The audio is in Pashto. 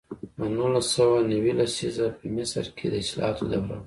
د نولس سوه نوي لسیزه په مصر کې د اصلاحاتو دوره وه.